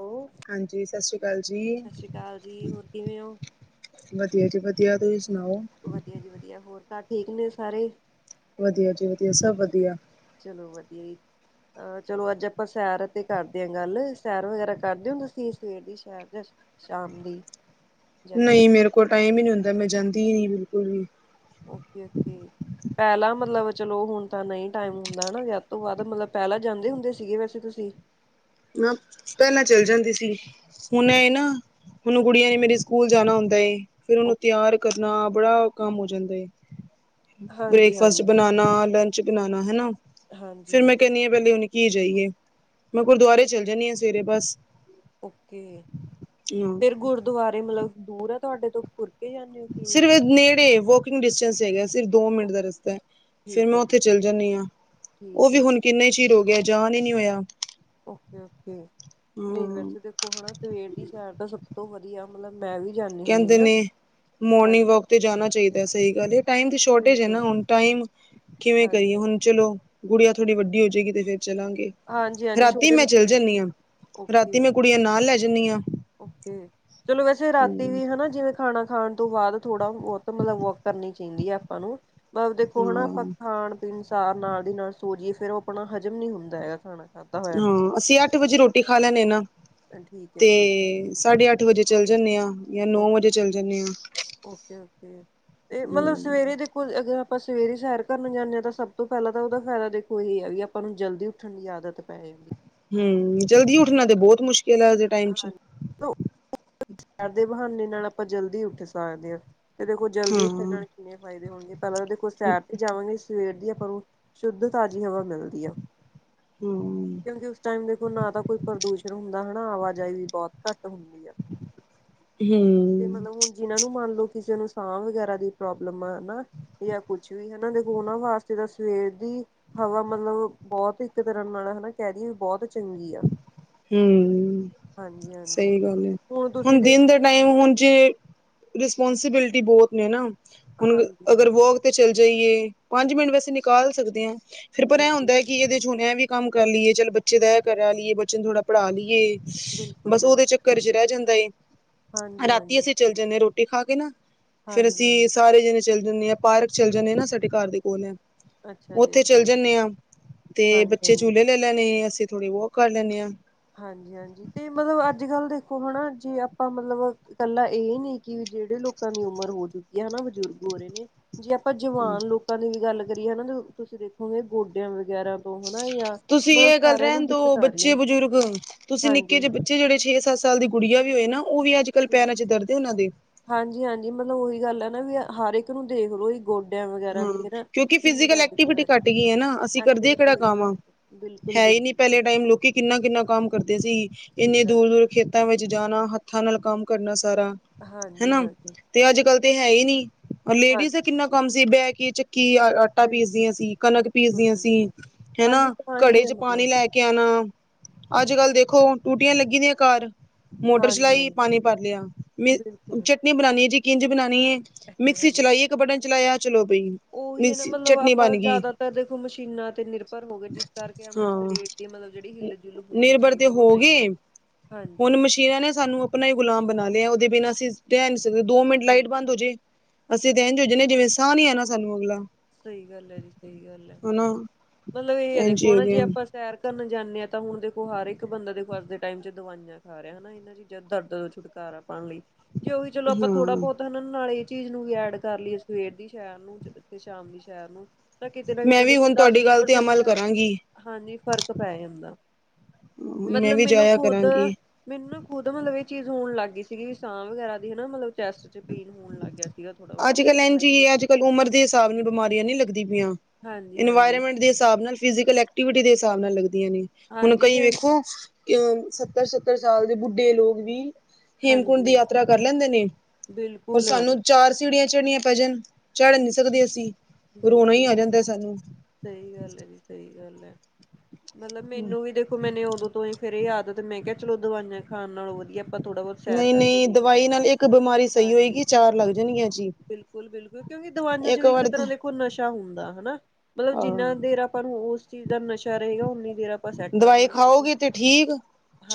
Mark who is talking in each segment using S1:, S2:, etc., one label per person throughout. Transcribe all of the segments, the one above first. S1: Hello
S2: ਹਾਂਜੀ ਸਤ ਸ੍ਰੀ ਅਕਾਲ ਜੀ
S1: ਸਤਿ ਸ਼੍ਰੀ ਅਕਾਲ ਜੀ ਹੋਰ ਕਿਵੇਂ ਹੋ
S2: ਵਧੀਆ ਜੀ ਵਧੀਆ ਤੁਸੀਂ ਸੁਣਾਓ
S1: ਵਧੀਆ ਜੀ ਵਧੀਆ ਹੋਰ ਘਰ ਠੀਕ ਨੇ ਸਾਰੇ
S2: ਵਧੀਆ ਜੀ ਵਧੀਆ ਸਭ ਵਧੀਆ
S1: ਚਲੋ ਵਧੀਆ ਜੀ ਹਹ ਚਲੋ ਅੱਜ ਆਪਾਂ ਸੈਰ ਤੇ ਕਰਦੇ ਹਾਂ ਗੱਲ ਸੈਰ ਵਗੈਰਾ ਕਰਦੇ ਹੋ ਤੁਸੀ ਸਵੇਰ ਦੀ ਸੈਰ ਸ਼ਾਮ ਦੀ ਜਾਂਦੇ ਹੋ
S2: ਨਹੀਂ, ਮੇਰੇ ਕੋਲ ਟਾਈਮ ਹੀ ਨਹੀਂ ਹੁੰਦਾ, ਮੈਂ ਜਾਂਦੀ ਹੀ ਨੀ ਬਿਲਕੁਲ ਵੀ।
S1: ਓਕੇ-ਓਕੇ। ਪਹਿਲਾ ਮਤਲਬ ਚਲੋ ਹੁਣ ਤਾਂ ਨਹੀਂ ਟਾਈਮ ਹੁੰਦਾ ਹਨਾ, ਵਿਆਹ ਤੋਂ ਬਾਅਦ, ਮਤਲਬ, ਪਹਿਲਾਂ ਜਾਂਦੇ ਹੁੰਦੇ ਸੀਗੇ ਵੈਸੇ ਤੁਸੀਂ?
S2: ਨਾ, ਪਹਿਲਾਂ ਚੱਲ ਜਾਂਦੀ ਸੀ, ਹੁਣ ਇਹ ਨਾ ਉਹਨੂੰ ਕੁੜੀਆਂ ਨੇ ਮੇਰੇ ਸਕੂਲ ਜਾਣਾ ਹੁੰਦਾ ਫਿਰ ਉਹਨੂੰ
S1: ਓਕੇ
S2: ਤਿਆਰ ਕਰਨਾ ਬੜਾ ਕੰਮ ਹੋ ਜਾਂਦੇ,
S1: ਹਾਂਜੀ
S2: ਬ੍ਰੇਕਫਾਸਟ
S1: ਹਾਂਜੀ
S2: ਬਨਾਨ ਨਾ, ਲੰਚ ਬਨਾਨਾ, ਹਨਾ
S1: ਹਾਂਜੀ
S2: ਫਿਰ ਮੈਂ
S1: ਹਾਂਜੀ
S2: ਕਹਿੰਨੀ ਆਂ, ਪਹਿਲੇ ਹੁਨ ਕੀ ਜਾਈਏ, ਮੈਂ ਗੁਰਦੁਆਰੇ ਚਲ ਜਾਂਨੀ ਆਂ, ਸਵੇਰੇ ਬਸ।
S1: ਓਕੇ!
S2: ਹਾਂ
S1: ਫਿਰ ਗੁਰਦੁਆਰੇ ਮਤਲਬ ਦੂਰ ਆ ਤੁਹਾਡੇ ਤੋ, ਤੁਰ ਕੇ ਜਾਂਦੇ ਹੋ ਕਿਵੇਂ
S2: ਸਿਰਫ ਨੇੜੇ ਵੌਕਿੰਗ ਡਿਸਟੈਂਸ ਹੇਗਾ। ਸਿਰਫ ਦੋ ਮਿੰਟ
S1: ਓਕੇ,
S2: ਦਾ ਰਸਤਾ ਐ, ਫਿਰ
S1: ਠੀਕ
S2: ਮੈਂ
S1: ਹੈ
S2: ਉੱਥੇ
S1: ਜੀ
S2: ਚੱਲ ਜਾਂਨੀ ਆਂ, ਉਹ
S1: ਠੀਕ
S2: ਵੀ
S1: ਹੈ ਜੀ
S2: ਹੁਣ ਕਿੰਨੇ ਹੀ ਚਿਰ ਹੋ ਗਿਆ ਜਾਨ ਹੀ ਨਹੀਂ ਹੋਇਆ।
S1: ਓਕੇ-ਓਕੇ, ਨਹੀ
S2: ਹਮ
S1: ਵੈਸੇ ਦੇਖੋ ਹੈਨਾ ਸਵੇਰ ਦੀ ਸੈਰ ਤਾਂ ਸਭ ਤੋਂ ਵਧੀਆ ਵਧੀਆ, ਮਤਲਬ ਮੈਂ ਵੀ ਜਾਂਨੀ ਹੁੰਨੀ
S2: ਕਹਿੰਦੇ
S1: ਹਾਂ।
S2: ਨੇ ਮੋਰਨਿੰਗ
S1: ਹਾਂਜੀ
S2: ਵੌਕ ਤੇ ਜਾਨਾ ਚਾਹੀਦਾ ਏ, ਸਹੀ ਗੱਲ ਏ। ਟਾਇਮ ਦੀ ਸੌ਼ਰਟੇਜ਼ ਏ ਨਾ,
S1: ਬਿਲਕੁਲ
S2: ਹੁਣ ਟਾਇਮ ਕਿਵੇਂ ਕਹੀਏ
S1: ਹਾਂਜੀ
S2: ਹੁਣ ਚਲੋ, ਗੁੜਿਆ ਥੋੜ੍ਹੀ ਵੱਡੀ ਹੋ ਜੇਗੀ ਤੇ ਫੇਰ ਚਲਾਂਗੇ।
S1: ਹਾਂਜੀ ਹਾਂਜੀ
S2: ਰਾਤੀ
S1: ਛੋਟੇ
S2: ਮੈਂ ਚੱਲੀ
S1: ਬੱਚਿਆਂ
S2: ਜਾਂਨੀ
S1: ਕਰਕੇ
S2: ਆਂ,
S1: ਓਕੇ
S2: ਰਾਤੀ ਮੈਂ ਕੁੜੀਆਂ ਨਾਲ ਲੈ ਜਾਂਨੀ ਹਾਂ।
S1: ਓਕੇ, ਚਲੋ ਵੈਸੇ ਰਾਤੀ
S2: ਹਮ
S1: ਵੀ ਹਨਾ, ਜਿਵੇਂ ਖਾਣਾ ਖਾਣ ਤੋਂ ਬਾਅਦ ਥੋੜਾ ਬਹੁਤ ਮਤਲਬ, ਵੌਕ ਕਰਨੀ ਚਾਹੀਂਦੀ ਆ ਆਪਾਂ ਨੂੰ। ਬ ਦੇਖੋ ਹਣਾ ਆਪਾਂ
S2: ਹਾਂ
S1: ਖਾਣ-ਪੀਣ ਸਾਰ ਨਾਲ ਦੀ ਨਾਲ ਸੋਜੀਏ, ਫਿਰ ਉਹ ਆਪਣਾ ਹਜ਼ਮ ਨੀ ਹੁੰਦਾ ਹੈਗਾ ਖਾਣਾ। ਖਾਧਾ ਹੋਇਆ
S2: ਹੂੰ, ਅਸੀਂ ਅੱਠ-ਵਜੇ ਰੋਟੀ ਖਾ ਲੈਨੇ ਆ ਨਾ,
S1: ਠੀਕ ਹੈ ਠੀਕ ਹੈ
S2: ਤੇ ਸਾਢੇ-ਅੱਠ ਵਜੇ ਚੱਲ ਜਾਂਨੇ ਆਂ।
S1: ਓਕੇ! ਓਕੇ-ਓਕੇ ਤੇ ਮਤਲਬ ਸਵੇਰੇ ਦੇ ਕੋਲ ਅਗਰ, ਆਪ ਆਪਾਂ ਸਵੇਰੇ ਸੈਰ ਕਰਨ ਜਾਂਨੇ ਹਾਂ, ਤਾਂ ਸਭ ਤੋਂ ਪਹਿਲਾਂ ਤਾਂ ਉਹਦਾ ਫਾਇਦਾ ਦੇਖੋ ਇਹ ਆ ਵੀ ਆਪਾਂ ਨੂੰ ਜਲਦੀ ਉੱਠਣ ਦੀ ਆਦਤ ਪੈ ਜੇਗੀ।
S2: ਹੂੰ, ਜਲਦੀ ਉੱਠਣਾ ਤੇ ਬਹੁਤ ਮੁਸ਼ਕਿਲ ਹੈ, ਅੱਜ ਦੇ ਟਾਈਮ'ਚ।
S1: ਹਾਂਜੀ ਸੈਰ ਦੇ ਬਹਾਨੇ ਨਾਲ ਆਪਾਂ ਜਲਦੀ ਉੱਠ ਸਕਦੇ ਹਾਂ, ਤੇ ਦੇਖੋ ਜਲਦੀ ਉੱਠਣ
S2: ਹਾਂ
S1: ਨਾਲ ਕਿੰਨੇ ਫ਼ਾਇਦੇ ਹੋਣਗੇ ਪਹਿਲਾਂ ਤਾਂ ਦੇਖੋ ਸੈਰ ਤੇ ਜਾਵਾਂਗੇ, ਸਵੇਰ ਦੀ ਆਪਾ ਨੂੰ ਸ਼ੁੱਧ ਤਾਜ਼ੀ ਹਵਾ ਮਿਲਦੀ ਐ।
S2: ਹੂੰ।
S1: ਕਿਉਂਕਿ, ਉਸ ਟਾਈਮ ਦੇਖੋ ਨਾ ਤਾਂ ਕੋਈ ਪ੍ਰਦੂਸ਼ਣ ਹੁੰਦਾ ਹਣਾ ਆਵਾਜਾਈ ਵੀ ਬਹੁਤ ਘੱਟ ਹੁੰਦੀ ਆ।
S2: ਹੂੰ।
S1: ਤੇ ਮਤਲਬ ਹੁਣ ਜਿਣਾ ਨੂੰ ਮੰਨਲੋ, ਕਿਸੇ ਨੂੰ ਸਾਹ ਵਗੈਰਾ ਦੀ ਪ੍ਰੋਬਲਮ ਆ ਹਨਾ ਯਾਂ ਕੁਛ ਵੀ ਹਨਾ, ੳਨਾਂ ਦੇ ਵਾਸਤੇ ਤਾਂ ਸਵੇਰ ਦੀ ਹਵਾ ਮਤਲਬ, ਬਹੁਤ ਇੱਕ ਤਰ੍ਹਾਂ ਨਾਲ ਹਨਾ ਕਹਿਦੀਏ ਬਹੁਤ ਚੰਗੀ ਆ।
S2: ਹੂੰ,
S1: ਹਾਂਜੀ ਹਾਂਜੀ
S2: ਸਹੀ ਗੱਲ ਏ,
S1: ਤੁਸੀਂ
S2: ਹੁਣ ਦਿਨ ਦੇ
S1: ਦੇਖਿਆ
S2: ਟਾਈਮ ਹੁਣ ਜੇ ਰਿਸਪੋਂਸੀਬਿਲਟੀ ਬਹੁਤ ਨੇ ਨਾ, ਹੁਣ
S1: ਹਾਂਜੀ
S2: ਅਗਰ ਵੋਕ ਤੇ ਚੱਲ ਜਾਈਏ ਪੰਜ-ਮਿੰਟ ਵੈਸੇ ਨਿਕਾਲ ਸਕਦੇ ਹਾਂ, ਫਿਰ ਪਰ ਐ
S1: ਬਿਲਕੁਲ
S2: ਹੁੰਦੈ ਕਿ ਇਹਦੇ'ਚ ਹੁਣ ਐਵੀ ਕੰਮ ਕਰ ਲਈਏ, ਚੱਲ ਬੱਚੇ ਦਾ ਇਹ ਕਰਾ ਲਈਏ, ਬੱਚੇ ਨੂੰ ਥੋੜ੍ਹਾ ਪੜ੍ਹਾਲੀਏ।
S1: ਬਿਲਕੁਲ
S2: ਬਸ ਉਹਦੇ
S1: ਬਿਲਕੁਲ
S2: ਚੱਕਰ'ਚ ਰਹਿ ਜਾਂਦਾ ਏ,
S1: ਹਾਂਜੀ
S2: ਰਾਤੀ
S1: ਹਾਂਜੀ
S2: ਅਸੀਂ ਚੱਲ ਜਨੇ ਰੋਟੀ ਖਾਕੇ ਨਾ, ਫਿਰ
S1: ਹਾਂਜੀ
S2: ਅਸੀਂ
S1: ਹਾਂਜੀ
S2: ਸਾਰੇ ਜਣੇ ਚੱਲ ਜਾਂਨੇ ਆ, ਪਾਰਕ ਚੱਲ ਜਾਂਨੇ ਆ ਨਾ, ਸਾਡੇ ਘਰ ਦੇ ਕੋਲ ਏ।
S1: ਅੱਛਾ ਜੀ
S2: ਉੱਥੇ ਚੱਲ
S1: ਅੱਛਾ
S2: ਜਾਂਨੇ ਹਾਂ, ਤੇ
S1: ਹਾਂਜੀ
S2: ਬੱਚੇ
S1: ਹਾਂਜੀ
S2: ਝੂਲੇੇ ਲੈ ਲੈਣੇ, ਅਸੀਂ ਥੋੜੀ ਵੌਕ ਕਰ ਲੈਨੇ ਆਂ। ਹੂੰ।
S1: ਹਾਂਜੀ-ਹਾਂਜੀ, ਤੇ ਮਤਲਬ ਅੱਜ-ਕੱਲ ਦੇਖੋ ਹਣਾ, ਜੇ ਆਪਾਂ ਮਤਲਬ ਕੱਲਾ ਇਹ ਨੀ, ਕਿ ਜਿਹੜੇ ਲੋਕਾਂ ਦੀ ਉਮਰ ਹੋ ਚੁੱਕੀ ਹੈ ਹਨਾ, ਬਜ਼ੁਰਗ ਹੋ ਰਹੇ ਨੇ ਜੇ ਆਪਾਂ ਜਵਾਨ ਲੋਕਾਂ ਦੀ ਵੀ ਗੱਲ ਕਰੀਏ ਹਨਾ, ਤੁਸੀਂ ਦੇਖੋਗੇ ਗੋਡਿਆਂ ਵਗੈਰਾ ਤੋਂ ਹਨਾ ਜਾਂ
S2: ਤੁਸੀਂ
S1: ਮਤਲਬ
S2: ਇਹ ਗੱਲ
S1: ਸਾਰਿਆਂ ਨੂੰ
S2: ਰਹਿਣ ਦੋ
S1: ਦਿੱਕਤ ਆ ਰਹੀ
S2: ਬੱਚੇ,
S1: ਹੈ
S2: ਬਜ਼ੁਰਗ ਤੁਸੀਂ ਨਿੱਕੇ
S1: ਹਾਂਜੀ।
S2: ਜਿਹੇ ਬੱਚੇ ਜਿਹੜੇ ਛੇ-ਸੱਤ ਸਾਲ ਦੀ ਗੁੜੀਆਂ ਵੀ ਹੋਏ ਨਾ, ਉਹ ਵੀ ਅੱਜ-ਕੱਲ ਪੈਰਾਂ'ਚ ਦਰਦੇ ਏ ਉਹਨਾਂ ਦੇ।
S1: ਹਾਂਜੀ-ਹਾਂਜੀ, ਮਤਲਬ ਉਹੀ ਗੱਲ ਹੈ ਨਾ ਵੀ, ਹਰ ਇੱਕ ਨੂੰ ਦੇਖਲੋ
S2: ਹੂੰ, ਕਿਉਂਕਿ ਫਿਜੀਕਲ
S1: ਦਿੱਕਤ
S2: ਐਕਟੀਵਿਟੀ
S1: ਆ ਰਹੀ ਹੈ
S2: ਘੱਟ ਗਈ ਏ ਨਾ, ਅਸੀਂ ਕਰਦੇ ਕਿਹੜਾ
S1: ਐਕਟੀਵਿਟੀ
S2: ਕੰਮ ਆ।
S1: ਘੱਟ
S2: ਹੈ ਹੀ ਨੀ ਪਹਿਲੇ
S1: ਬਿਲਕੁਲ-ਬਿਲਕੁਲ
S2: ਟਾਈਮ ਲੋਕੀ ਕਿੰਨਾ, ਕਿੰਨਾ ਕੰਮ ਕਰਦੇ ਸੀ
S1: ਸਹੀ
S2: ਇੰਨੇ
S1: ਗੱਲ
S2: ਦੂਰ, ਦੂਰ ਖੇਤਾਂ ਵਿੱਚ ਜਾਣਾ ਹੱਥਾਂ ਨਾਲ ਕੰਮ ਕਰਨਾ ਸਾਰਾ
S1: ਹਾਂਜੀ,
S2: ਹਨਾ
S1: ਹਾਂਜੀ।
S2: ਤੇ ਅੱਜ ਕੱਲ ਤੇ ਹੈ ਹੀ ਨਹੀਂ ਲੇਡੀਜ਼ ਦਾ ਕਿੰਨਾ ਕੰਮ ਸੀ ਬਹਿ ਕੇ ਚੱਕੀ ਆਟ ਆਟਾ ਪੀਸਦੀਆਂ ਸੀ, ਕਣਕ ਪੀਸਦੀਆਂ
S1: ਬਿਲਕੁਲ-ਬਿਲਕੁਲ-ਬਿਲਕੁਲ
S2: ਸੀ
S1: ਹਾਂਜੀ
S2: ਹੈਨਾ
S1: ਤਾਂ
S2: ਘੜੇ
S1: ਹੀ ਹੈ
S2: ਚ
S1: ਮਤਲਬ
S2: ਪਾਣੀ ਲੈ ਕੇ ਕਿਆ ਨਾ ਅੱਜ-ਕੱਲ ਦੇਖੋ, ਟੂਟੀਆਂ ਲੱਗੀ ਦੀਆਂ ਘਰ। ਮੋਟਰ
S1: ਹਾਂਜੀ
S2: ਚਲਾਈ
S1: ਹਾਂਜੀ
S2: ਪਾਣੀ ਭਰ ਲਿਆ, ਮ
S1: ਬਿਲਕੁਲ
S2: ਚਟਨੀ ਬਣਾਨੀ ਏ ਜੀ, ਕਿੰਝ ਬਣਾਣੀ ਏ।
S1: ਹਾਂ
S2: ਮਿਕਸੀ ਚਲਾਈਏ ਇੱਕ ਬਟਨ ਚਲਾਇਆ ਚਲੋ ਬਈ
S1: ਉਹੀ ਹੈ ਨਾ,
S2: ਮਿਕਸੀ
S1: ਮਤਲਬ
S2: ਚਟਨੀ
S1: ਆਪਾਂ
S2: ਬਣ ਗਈ
S1: ਜ਼ਿਆਦਾਤਰ ਦੇਖੋ ਮਸ਼ੀਨਾਂ ਤੇ ਨਿਰਭਰ ਹੋ ਗਏ ਜਿਸ ਕਰਕੇ ਆਪਣੇ
S2: ਹਾਂ
S1: ਸਰੀਰ ਤੇ ਮਤਲਬ ਜਿਹੜੀ ਹਿੱਲ ਜੁਲ ਹੋਣੀ
S2: ਨਿਰਭਰ ਤੇ
S1: ਚਾਹੀਦੀ ਹੈ, ਉਹ ਨਹੀਂ ਹੋ
S2: ਗਏ
S1: ਰਹੀ।
S2: ਹੁਣ
S1: ਹਾਂਜੀ
S2: ਮਸ਼ੀਨਾਂ ਨੇ ਸਾਨੂੰ ਆਪਣਾ ਹੀ ਗੁਲਾਮ ਬਣਾ ਲਿਆ, ਉਹਦੇ ਬਿਨਾਂ ਅਸੀਂ ਰਹਿ ਨੀ ਸਕਦੇ ਦੋ ਮਿੰਟ ਲਾਈਟ
S1: ਬਿਲਕੁਲ
S2: ਬੰਦ ਹੋ ਜੇ। ਅਸੀਂ ਤੇ ਇਝ ਸੋ ਜਾਨੇ ਆ, ਜਿਵੇਂ ਸਾਹ ਨੀ ਆ ਨਾ ਸਾਨੂੰ ਅਗਲਾ।
S1: ਸਹੀ ਗੱਲ ਹੈ, ਜੀ ਸਹੀ ਗੱਲ ਹੈ,
S2: ਹਨਾ
S1: ਮਤਲਬ ਇਹ ਹੈ
S2: ਇੰਝ ਹੀ
S1: ਦੇਖੋ
S2: ਹੋ
S1: ਨਾ
S2: ਗਿਆ
S1: ਜੇ ਆਪਾਂ। ਤੈਰ ਕਰਨ ਜਾਂਦੇ ਆ ਤਾਂ ਹੁਣ ਦੇਖੋ, ਹਰ ਇੱਕ ਬੰਦਾ ਦੇਖੋ ਅੱਜ ਦੇ ਟਾਈਮ ਚ ਦਵਾਈਆਂ ਖਾ ਰਿਹਾ ਹਨਾ ਇਹਨਾ ਚੀਜ਼ ਦਰਦ ਛੁਟਕਾਰਾ ਪਾਣ ਲਈ, ਜੇ ਉਹੀ ਚਲੋ ਆਪਾਂ ਥੋੜਾ
S2: ਹਾਂ
S1: ਬਹੁਤ ਹਨ, ਨਾਲ ਇਹ ਚੀਜ਼ ਨੂੰ ਵੀ ਐਡ ਕਰ ਲਈਏ ਸਵੇਰ ਦੀ ਸ਼ਹਿਰ ਨੂੰ ਤੇ ਸ਼ਾਮ ਲਈ ਸ਼ਹਿਰ ਨੂੰ-' ਤਾਂ ਕਿਤੇ ਨਾ
S2: ਮੈਂ
S1: ਕਿਤੇ
S2: ਵੀ
S1: ਦੇਖੋ,
S2: ਹੁਣ
S1: ਦਸ
S2: ਤੁਹਾਡੀ
S1: ਵੀਹ
S2: ਗੱਲ ਤੇ
S1: ਪ੍ਰਸੈਂਟ
S2: ਅਮਲ ਕਰਾਂਗੀ
S1: ਹਾਂਜੀ ਫ਼ਰਕ ਪੈ ਹੁੰਦਾ।
S2: ਮੈਂ
S1: ਮਤਲਬ
S2: ਵੀ
S1: ਮੈਨੂੰ
S2: ਜਾਇਆ
S1: ਖੁਦ
S2: ਕਰਾਂਗੀ
S1: ਮੈਨੂੰ ਨਾ ਖੁਦ ਮਤਲਬ ਇਹ ਚੀਜ਼ ਹੋਣ ਲੱਗ ਗਈ, ਸੀਗੀ ਸਾਹ ਵਗੈਰਾ ਦੀ ਹਨਾ ਮਤਲਬ। ਚੈਸਟ ਚ ਪੇਨ ਹੋਣ ਲੱਗ ਗਿਆ ਸੀਗਾ। ਥੋੜਾ ਬਹੁਤ ਪਤਾ
S2: ਅੱਜ-ਕੱਲ
S1: ਨੀ
S2: ਇਝ
S1: ਵੈਸੇ
S2: ਈ ਅੱਜ-ਕੱਲ ਉਮਰ ਦੇ ਹਿਸਾਬ ਨਾਲ ਬਿਮਾਰੀਆਂ ਨਹੀ ਲੱਗਦੀ ਪਈਆਂ।
S1: ਹਾਂਜੀ ਹਾਂਜੀ
S2: ਇਨਵਾਇਰਮੈਂਟ ਦੇ ਹਿਸਾਬ ਨਾਲ ਫਿਜੀਕਲ ਦੇ ਹਿਸਾਬ ਨਾਲ ਲਗਦੀਆਂ ਨੇ। ਹੁਣ
S1: ਹਾਂਜੀ
S2: ਕਈ
S1: ਤੇ
S2: ਵੇਖੋ, ਅਹ ਸੱਤਰ ਸੱਤਰ ਸਾਲ ਦੇ ਬੁੱਢੇ ਲੋਕ ਵੀ ਹੇਮਕੁੰਡ ਦੀ
S1: ਹਾਂਜੀ
S2: ਯਾਤਰਾ ਕਰ ਲੈਂਦੇ ਨੇ
S1: ਬਿਲਕੁਲ
S2: ਸਾਨੂੰ ਚਾਰ ਸੀੜੀਆਂ ਚੜਨੀਆਂ ਭਜਨ ਝੜ ਨੀ ਸਕਦੇ ਅਸੀਂ, ਰੋਣਾ ਹੀ ਆ
S1: ਬਿਲਕੁਲ-ਬਿਲਕੁਲ
S2: ਜਾਂਦਾ ਸਾਨੂੰ
S1: ਸਹੀ ਗੱਲ ਹੈ, ਜੀ ਸਹੀ ਗੱਲ ਹੈ। ਮਤਲਬ ਮੈਨੂੰ ਵੀ ਦੇਖੋ, ਮੈਨੂੰ ਉਦੋਂ ਤੋਂ ਹੀ ਫਿਰ ਯਾਦ ਤੇ ਮੈਂ ਕਿਹਾ ਚਲ ਦਵਾਈਆਂ ਖਾਣ ਨਾਲੋਂ ਵਧੀਆ ਆਪਾਂ ਥੋੜਾ ਬਹੁਤ ਸੈਰ ਕਰਕੇ
S2: ਨਹੀਂ-ਨਹੀਂ
S1: ਦੇਖਦੇ ਹਾਂ
S2: ਦਵਾਈ ਨਾਲ ਇੱਕ ਬਿਮਾਰੀ ਸਹੀ
S1: ਹਾਂਜੀ
S2: ਹੋਏਗੀ ਚਾਰ ਲੱਗ ਜਾਣਗੀਆਂ ਜੀ।
S1: ਬਿਲਕੁਲ-ਬਿਲਕੁਲ, ਕਿਉਕਿ ਦਵਈਆਂ ਚ ਵੀ ਇੱਕ ਤਰ੍ਹਾਂ ਦੇ, ਕੋ ਨਸ਼ਾ ਹੁੰਦਾ ਹਨਾ, ਮਤਲਬ
S2: ਹਾਂ
S1: ਜਿੰਨਾ ਦੇਰ ਆਪਾਂ ਨੂੰ ਉਸ ਚੀਜ਼ ਦਾ ਨਸ਼ਾ ਰਹੇਗਾ ਉਨੀ ਦੇਰ ਆਪਾਂ। ਸੈੱਟ
S2: ਦਵਾਈ
S1: ਰਵਾਂਗੇ ਉਥੇ।
S2: ਖਾਓਗੇ, ਤੇ ਠੀਕ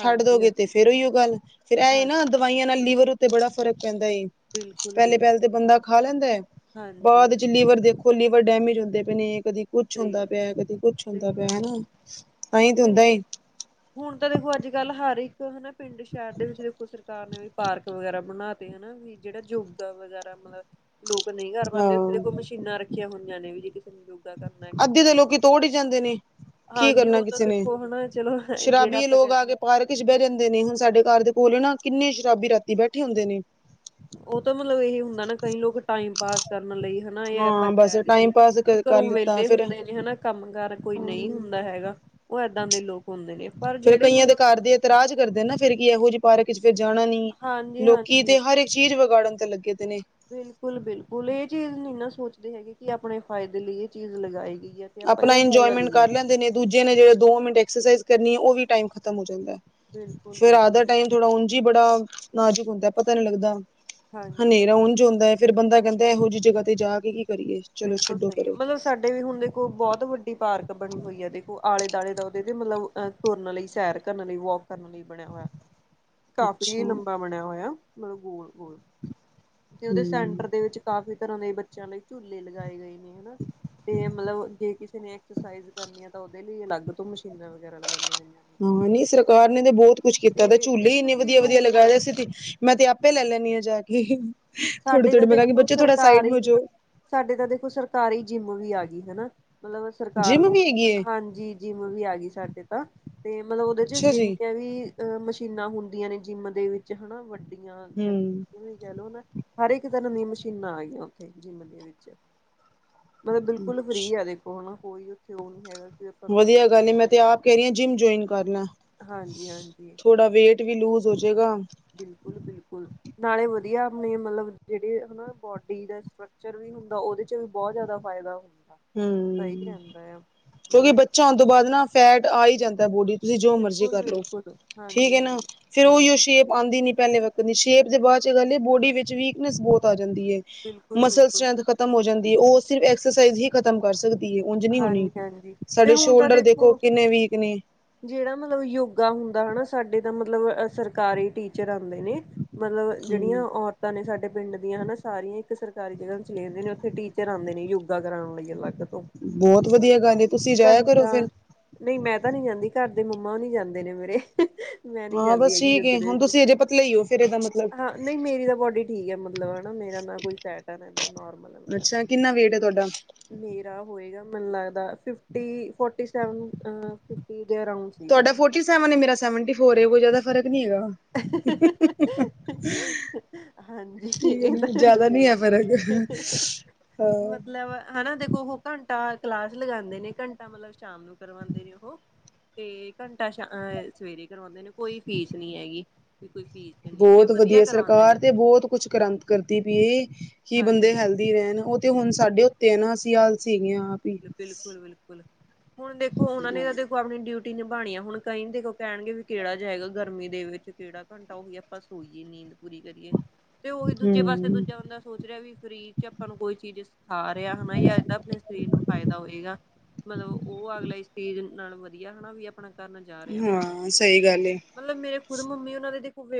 S2: ਛੱਡ ਦੋਗੇ ਤੇ ਫੇਰ ਉਹ ਗੱਲ ਫੇਰ ਇਹ ਏ
S1: ਹਾਂ
S2: ਨਾ, ਦਵਾਈਆਂ ਨਾਲ ਲੀਵਰ ਉੱਤੇ ਬੜਾ ਫ਼ਰਕ ਪੈਂਦਾ ਏ। ਪਹਿਲੇ-ਪਹਿਲੇ
S1: ਬਿਲਕੁਲ-ਬਿਲਕੁਲ
S2: ਤੇ ਬੰਦਾ ਖਾ ਲੈਂਦਾ ਹੈ, ਬਾਅਦ ਚ
S1: ਹਾਂਜੀ
S2: ਲੀਵਰ ਦੇਖੋ। ਖਲੀ ਡੈਮੇਜ ਹੁੰਦੇ ਪਏ ਨੇ ਕਦੀ ਕੁਛ
S1: ਸਹੀ
S2: ਹੁੰਦਾ
S1: ਗੱਲ
S2: ਪਿਆ, ਕਦੀ ਕੁੱਛ ਹੁੰਦਾ ਪਿਆ ਹਨਾ। ਤਾਂਹੀ ਤੇ ਹੁੰਦਾ
S1: ਠਕ
S2: ਏ
S1: ਹੁਣ ਤਾਂ ਦੇਖੋ, ਅੱਜ-ਕੱਲ ਹਰ ਇੱਕ ਹਨਾ ਪਿੰਡ ਸ਼ਹਿਰ ਦੇ ਵਿੱਚ ਦੇਖੋ ਸਰ ਤ ਨੇ ਵੀ ਪਾਰਕ ਵਗੈਰਾ ਬਣਾ ਤੇ ਹਨਾ, ਵੀ ਜਿਹੜਾ ਯੁਗ ਵਗੈਰਾ ਮਤਲਬ। ਲੋਕ ਨਹੀਂ ਕਰ ਪਾਦੇ ਉੱਥੇ ਦੇ ਕੋਈ
S2: ਹਾਂ
S1: ਮਸ਼ੀਨਾਂ ਰੱਖੀਆਂ ਹੁੰਈਆਂ, ਨੇ ਵੀ ਜੇ ਕਿਸੇ ਨੂੰ ਯੋ ਕਰਨਾ
S2: ਅੱਧੇ ਦੇ
S1: ਐਕਸਰਸਾਈਜ਼
S2: ਲੋਕੀ
S1: ਕਰਨੀ
S2: ਤੋੜ ਹੀ
S1: ਹੈ।
S2: ਜਾਂਦੇ ਨੇ ਕੀ
S1: ਹਾਂਜੀ
S2: ਕਰਨਾ
S1: ਉਹ ਤਾਂ
S2: ਕਿਸੇ ਨੇ
S1: ਦੇਖੋ ਹਨਾ ਚਲੋ, ਜਿਹੜਾ
S2: ਸ਼ਰਾਬੀ
S1: ਆਪਾਂ
S2: ਲੋਕ
S1: ਕਹਿ
S2: ਆ
S1: ਦਈਏ।
S2: ਕੇ ਪਾਰਕ ਬਹਿ ਜਾਂਦੇ, ਨੇ ਹੁਣ ਸਾਡੇ ਘਰ ਦੇ ਕੋਲ ਨਾ ਕਿੰਨੇ ਸ਼ਰਾਬੀ ਰਾਤੀ ਬੈਠੇ ਹੁੰਦੇ ਨੇ
S1: ਉਹ ਤਾਂ ਮਤਲਬ ਇਹ ਹੁੰਦਾ, ਨਾ ਕਈ ਲੋਕ ਟਾਈਮ ਪਾਸ ਕਰਨ ਲਈ। ਹਨਾ ਇਹ ਆਪਾਂ
S2: ਹਾਂ ਬਸ
S1: ਕਹਿ
S2: ਟਾਈਮ
S1: ਦਏ
S2: ਪਾਸ
S1: ਵੀ
S2: ਕਰ
S1: ਘਰੋਂ
S2: ਲਿੱਤਾ
S1: ਵਿਹਲੇ
S2: ਫੇਰ
S1: ਹੁੰਦੇ ਨੇ ਹਨਾ। ਕੰਮ ਕਾਰ ਕੋਈ ਨਹੀਂ
S2: ਹਾਂ
S1: ਹੁੰਦਾ ਹੈਗਾ, ਉਹ ਇੱਦਾਂ ਦੇ ਲੋਕ ਹੁੰਦੇ ਨੇ ਪਰ,
S2: ਫੇਰ
S1: ਜਿਹੜੇ
S2: ਕਈਆਂ ਦੇ
S1: ਮਤਲਬ
S2: ਘਰ ਦੇ ਇਤਰਾਜ ਕਰਦੇ ਨਾ ਫਿਰ ਕੀ ਇਹੋ ਜਿਹੇ ਪਾਰਕ ਚ ਫਿਰ ਜਾਣਾ ਨੀ
S1: ਹਾਂਜੀ
S2: ਲੋਕੀ
S1: ਹਾਂਜੀ
S2: ਤੇ ਹਰ ਇੱਕ ਚੀਜ਼ ਵਿਗਾੜਨ ਤੇ ਲੱਗੇ ਤੇ ਨੇ,
S1: ਬਿਲਕੁਲ, ਬਿਲਕੁਲ, ਇਹ ਚੀਜ਼ ਨਹੀਂ ਨਾ ਸੋਚਦੇ ਹੈਗੇ, ਕਿ ਆਪਣੇ ਫਾਇਦੇ ਲਈ ਇਹ ਚੀਜ਼ ਲਗਾਏਗੀ।
S2: ਆਪਣਾ ਇੰਜੋਏਮੈਂਟ ਕਰ ਲੈਂਦੇ ਨੇ, ਦੁਜੀਆ ਨੇ ਜਦੋ ਦੋ ਮਿੰਟ ਐਕਸਰਸਾਈਜ਼ ਕਰਨੀ ਏ ਉਦੀ ਟਾਈਮ ਖਤਮ ਹੋ ਜਾਦਾ,
S1: ਬਿਲਕੁਲ
S2: ਫਿਰ ਰਾਤ
S1: ਬਿਲਕੁਲ
S2: ਦਾ ਟਾਈਮ ਥੋੜਾ ਉਂਝ ਹੀ ਬੜਾ ਨਾਜਕ ਹੁੰਦਾ ਹੈ, ਪਤਾ ਨੀ ਲੱਗਦਾ
S1: ਹਾਂਜੀ ਹਾਂਜੀ
S2: ਹਨੇਰਾ ਉਂਝ ਹੁੰਦਾ ਹੈ ਫਿਰ ਬੰਦਾ ਕਹਿੰਦਾ ਇਹੋ ਜਿਹੀ, ਜਗਾ ਤੇ ਜਾ ਕੇ, ਕੀ ਕਰੀਏ। ਚਲੋ
S1: ਬਿਲਕੁਲ
S2: ਛੱਡੋ
S1: ਸਹੀ ਹੈ,
S2: ਪਰੇ।
S1: ਮਤਲਬ ਸਾਡੇ ਵੀ ਹੁਣ ਦੇਖੋ, ਬਹੁਤ ਵੱਡੀ ਪਾਰਕ ਬਣੀ ਹੋਈ ਹੈ। ਦੇਖੋ ਆਲੇ- ਦੁਆਲੇ ਦਾ ਉਹਦੇ ਮਤਲਬ ਅ ਤੁਰਨ ਲਈ, ਸੈਰ ਕਰਨ ਲਈ, ਵੋਕ ਕਰਨ ਲਈ। ਬਣਿਆ ਹੋਇਆ,
S2: ਅੱਛਾ
S1: ਕਾਫੀ ਲੰਬਾ ਬਣਿਆ ਹੋਇਆ। ਮਤਲਬ ਗੋਲ- ਗੋਲ ਤੇ ਉਹਦੇ
S2: ਹੂੰ।
S1: ਸੈਂਟਰ ਦੇ ਵਿੱਚ, ਕਾਫੀ ਤਰਾਂ ਦੇ, ਬੱਚਿਆਂ ਲਈ ਝੂਲੇ ਲਗਾਏ ਗਏ ਨੇ। ਤੇ ਮਤਲਬ, ਜੇ ਕਿਸੇ ਨੇ, ਐਕਸਰਸਾਈਜ਼ ਕਰਨੀ, ਆ ਤਾਂ ਉਹਦੇ ਲਈ। ਤੇ ਅਲੱਗ ਤੋਂ, ਮਸ਼ੀਨਾਂ ਵਗੈਰਾ ਲਗਾਈਆ ਹੋਇਆ।
S2: ਹਾਂ, ਨਹੀਂ ਸਰਕਾਰ ਨੇ ਤੇ, ਬਹੁਤ ਕੁੱਛ ਕੀਤਾ ਤੇ। ਏ, ਝੂਲੇ ਈ
S1: ਇੱਕ
S2: ਇੰਨੇ
S1: ਚੀਜ਼
S2: ਵਦਿਆ- ਵਦਿਆ ਲਗਾਏ
S1: ਹੋਰ
S2: ਦੇ ਸੀ। ਮੈਂ ਤੇ, ਆਪੇ ਲੈ ਲੈਂਨੀ ਆ ਜਾ ਕੇ। ਥੋੜੀ, -
S1: ਸਾਡੇ
S2: ਥੋੜੀ,
S1: ਤਾਂ
S2: ਮੈਂ ਕਿਹਾ ਕੇ,
S1: ਦੇਖੋ
S2: ਬੱਚੇ ਥੋੜਾ ਸਾਈਡ ਮੇ
S1: ਸਰਕਾਰੀ
S2: ਹੋਜੋ।
S1: ਸਾਡੇ ਤਾਂ ਦੇਖੋ, ਸਰਕਾਰੀ ਜਿੰਮ ਵੀ ਆ ਗਈ, ਹਨਾ। ਮਤਲਬ ਸਰਕਾਰ
S2: ਜਿੰਮ
S1: ਨੂੰ,
S2: ਵੀ ਹੈਗੀ ਏ
S1: ਹਾਂਜੀ ਜਿੰਮ ਵੀ, ਆ ਗਈ ਸਾਡੇ ਤਾਂ, ਤੇ ਮਤਲਬ ਉਹਦੇ ਚ
S2: ਅੱਛਾ ਜੀ
S1: ਜਿੰਨੀਆਂ ਵੀ ਅ ਮਸ਼ੀਨਾਂ ਹੁੰਦੀਆਂ ਨੇ ਜਿੰਮ ਦੇ ਵਿੱਚ, ਹਨਾ ਵੱਡੀਆਂ
S2: ਹੂੰ
S1: ਇਹਵੇਂ ਕਹਿ ਲਓ ਨਾ। ਹਰੇਕ ਤਰਾਂ ਦੀਆਂ, ਮਸ਼ੀਨਾਂ ਆ ਗਈਆਂ ਉੱਥੇ। ਜਿੰਮ ਦੇ ਵਿੱਚ, ਮਤਲਬ ਬਿਲਕੁਲ ਫ੍ਰੀ ਹਲੇ। ੳਨਾ ਕੋਈ, ਉੱਥੇ ਉਹ ਨੀ ਹੈਗਾ। ਆਪਾਂ ਨੂੰ ਕੋਈ
S2: ਵਦਿਆ ਗੱਲ ਏ।
S1: ਫੀਸ
S2: ਮੈਂ ਤੇ
S1: ਦੇਣੀ
S2: ਆਪ ਕੈਰੀ ਆ, ਜਿੰਮ ਜੁਆਇਨ ਕਰਲਾ।
S1: ਹਾਂਜੀ ਹਾਂਜੀ
S2: ਥੋੜਾ ਵੇਟ ਵੀ ਲੂਜ਼, ਹੋ ਜੇਗਾ।
S1: ਬਿਲਕੁਲ- ਬਿਲਕੁਲ। ਨਾਲੇ ਵਦਿਆ, ਅਪਨੇ ਮਤਲਬ ਜਿਹੜੇ ਹਨਾ, ਬੋਡੀ ਦੇ ਸਟਕਚਰ ਵੀ ਹੁੰਦਾ। ਉਹਦੇ ਚ ਬੋਤ ਜ਼ਿਆਦਾ ਫ਼ਾਇਦਾ ਹੁੰਦਾ, ਸਹੀ
S2: ਹੂੰ
S1: ਕਹਿੰਦਾ ਆ, ਮਤਲਬ ਇੱਕ
S2: ਦੁਬਾਰਾ ਨਾ ਫੈਟ, ਆ ਹੀ ਜਾਂਦਾ ਏ। ਬੋਡੀ ਤੇ। ਤੁਸੀਂ ਜੋ ਮਰਜ਼ੀ
S1: ਬਿਲਕੁਲ
S2: ਕਰ ਲੋ।
S1: ਬਿਲਕੁਲ
S2: ਠੀਕ
S1: ਹਾਂਜੀ
S2: ਏ ਨਾ,
S1: ਹਾਂਜੀ
S2: ਫੇਰ ਉਹੀ ਉਹ
S1: ਹਾਂਜੀ
S2: ਸ਼ੇਪ ਆਉਂਦੀ ਨੀ ਪਹਿਲੇ ਵਕਨ ਦੀ। ਸ਼ੇਪ ਦੇ ਬਾਅਦ ਚ, ਹੈਨਾ ਏ ਬੋਡੀ ਵਿੱਚ, ਵੀਕਨੈਸ ਬੋਤ ਆ ਜਾਂਦੀ ਏ।
S1: ਬਿਲਕੁਲ
S2: ਮਸਲ
S1: ਬਿਲਕੁਲ
S2: ਸਟਰ੍ਰੈਂਥ, ਖ਼ਤਮ ਹੋ ਜਾਂਦੀ ਏ। ਉਹ ਸਿਰਫ ਐਕਸਰਸਾਈਜ਼ ਹੀ ਖਤਮ ਕਰ ਸਕਦੀ ਏ। ਉੰਝ ਨੀ ਹੋਣੀ,
S1: ਹਾਂਜੀ ਹਾਂਜੀ ਤੇ
S2: ਸਾਡੇ
S1: ਹੁਣ ਤਾਂ
S2: ਸ਼ੋਲਡਰ ਦੇਖੋ, ਕਿੰਨੇ ਵੀਕ ਨੇ।
S1: ਜਿਹੜਾ ਮਤਲਬ ਨਾ, ਯੋਗਾ ਹੁੰਦਾ ਹਨਾ ਸਾਡੇ ਤਾਂ ਮਤਲਬ ਸਰਕਾਰੀ ਟੀਚਰ, ਆਉਂਦੇ ਨੇ। ਮਤਲਬ ਜਿਹੜੀਆਂ,
S2: ਹੂੰ
S1: ਔਰ ਤਾ ਨੇ ਸਾਡੇ ਪਿੰਡ ਦੀਆਂ। ਹਨਾ ਸਾਰੀਆਂ ਇੱਕ ਸਰਕਾਰੀ ਜਗਾ ਚਲੀ ਜਾਂਦੀ ਨੇ। ਉੱਥੇ ਟੀਚਰ ਆਉਂਦੇ ਨੇ ਯੋਗਾ ਕਰਉਣ, ਲਈ ਅਲੱਗ ਤੋਂ।
S2: ਬੋਤ ਵਦਿਆ
S1: ਮਤਲਬ
S2: ਗਾਲ ਏ। ਤੁਸੀਂ ਜਾਏਆ ਕਰੋ
S1: ਘੰਟਾ
S2: ਫੇਰ।
S1: ਨਹੀਂ ਮੈਂ, ਤਾਂ ਨੀ ਜਾਂਦੀ। ਘਰ ਦੇ ਮੰਮਾ ਹੋਨੀ ਜਾਂਦੇ ਨੇ ਮੇਰੇ। ਮੈਂ ਨੀ
S2: ਹਾਂ
S1: ਜਾਂਦੀ,
S2: ਬਸ
S1: ਹੈਗੀ
S2: ਠੀਕ
S1: ਯੋਗੇ
S2: ਏ
S1: ਦੇ
S2: ਹੁਣ
S1: ਵਿੱਚ।
S2: ਤੁਸੀਂ ਅਜੇ ਪਤਲੇ ਹੀ ਹੋ ਫੇਰ ਇਹਦਾ ਮਤਲਬ
S1: ਹਾਂ ਨਹੀਂ ਮੇਰੀ ਤਾਂ, ਬੋਡੀ ਠੀਕ ਏ ਮਤਲਬ ਹਨਾ ਮੇਰਾ। ਨਾ ਕੋਈ ਸੈਟ ਆ, ਰਹਿੰਦਾ ਨੋਰਮਲ ਹਾਂ ਹੁਣ ਤਾਂ।
S2: ਅੱਛਾ ਕਿੰਨਾ ਵੇਟ ਹੈ ਤੁਹਾਡਾ
S1: ਮੇਰਾ ਹੋਏਗਾ, ਮੈਨੂੰ ਲੱਗਦਾ ਫਿਫਟੀ, ਫੋਟੀ ਸੈਵਨ, ਆਂ ਫਿਫਟੀ ਦੇ ਅਰਾੳਂਡਸ।
S2: ਤੁਹਾਡਾ ਫੋਟੀ ਸੈਵਨ ਏ। ਮੇਰਾ ਸੈਵਨਟੀ ਫੋਰ ਏ। ਕੋਈ ਜ਼ਿਆਦਾ ਫਰਕ ਨੀ ਹੈਗਾ। [inaudible]
S1: ਹਾਂਜੀ
S2: ਠੀਕ
S1: ਇਹ ਤਾਂ
S2: ਏ,
S1: ਗੱਲ
S2: ਜਿਆਦਾ ਨੀ
S1: ਸਹੀ
S2: ਹੈ, ਫ਼ਰਕ
S1: ਹੈ।
S2: ਅ।
S1: ਮਤਲਬ ਹਨਾ ਦੇਖੋ। ਉਹ ਘੰਟਾ ਕਲਾਸ ਲਗਾਉਂਦੇ ਨੇ, ਘੰਟਾ ਮਤਲਬ ਸ਼ਾਮ ਨੂੰ, ਕਰਵਾਉਂਦੇ ਨੇ ਉਹ। ਤੇ ਘੰਟਾ, ਸ਼ ਸਵੇਰੇ ਕਰਵਾਉਂਦੇ ਨੇ, ਕੋਈ ਫੀਸ ਨੀ ਹੈਗੀ। ਵੀ ਕੋਈ ਫੀਸ ਦੇਣੀ ਆ ਤੇ
S2: ਬੋਤ
S1: ਵਧੀਆ
S2: ਵਦਿਆ।
S1: ਕਰਵਾਉਂਦੇ
S2: ਸਰਕਾਰ
S1: ਨੇ
S2: ਤੇ ਬੋਤ ਕੁਛ, ਕਰਾਨ ਕਰਦੀ ਪਈਏ। ਕੀ ਬੰਦੇ
S1: ਹਾਂਜੀ
S2: ਹੈਲਥ ਰਹਿਣ। ਉਹ ਤੇ ਹੁਣ ਸਾਡੇ, ਉੱਤੇ ਹੈ ਨਾ, ਅਸੀਂ ਆਲਸੀ ਹੈਗੇ ਆ। ਹੀ
S1: ਬਿਲਕੁਲ- ਬਿਲਕੁਲ, ਹੁਣ ਦੇਖੋ ਉਹਨਾਂ ਨੇ ਏਦੇ ੳ ਅਪਨੀ ਡਿਊਟੀ ਨਿਭਾਣੀ ਆ, ਹੁਣ ਕਣੀ ਕਹਿੰਗੇ ਜੋ ਕਹਿਣਗੇ ਵੀ, ਕੇਹੜਾ ਜਾਏਗਾ ਗਰਮੀ ਦੇ ਵਿੱਚ ਕੋਹੜਾ ਕ ਘਂਟਾ ਹੋ ਗਯਾ ਆਪਾਂ ਸੋਈਏ। ਨੀਂਦ ਪੂਰੀ ਕਰੀਏ, ਤੇ ਉਹੀ ਦੂਜੇ ਪਾਸੇ,
S2: ਹਮ
S1: ਦੂਜਾ ਬੰਦਾ ਸੋਚ ਰਿਹਾ ਵੀ ਫਰੀ ਚ ਆਪਾਂ ਨੂੰ ਕੋਈ, ਚੀਜ਼ ਸਿਖਾ ਰਿਹਾ ਹਨਾ, ਏਦਾ ਆਪਨੇ ਸਰੀਰ ਨੂੰ। ਫਾਇਦਾ ਹੋਏਗਾ। ਮਤਲਬ ਉਹ ਅਗਲਾ ਇਸ ਸਟੇਜ਼ ਨਾਲ ਵਦਿਆ, ਹਨਾ ਵੀ ਅਪ ਆਪਨਾ ਕਨ ਜਾ। [unintelligible]
S2: ਹਾਂ, ਸਹੀ ਗੱਲ ਏ।
S1: ਮਤਲਬ ਮੇਰੇ ਖੁਦ ਮੰਮੀ ਉਹਨਾਂ ਦੇਖੋ ਵੇਟ